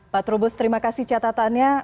pak trubus terima kasih catatannya